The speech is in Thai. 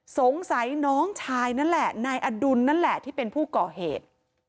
สงสัยน้องชายนั่นแหละนายอดุลนั่นแหละที่เป็นผู้ก่อเหตุ